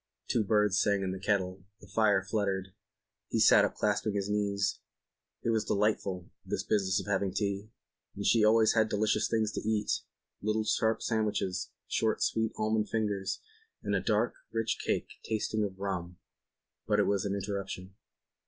Two birds sang in the kettle; the fire fluttered. He sat up clasping his knees. It was delightful—this business of having tea—and she always had delicious things to eat—little sharp sandwiches, short sweet almond fingers, and a dark, rich cake tasting of rum—but it was an interruption.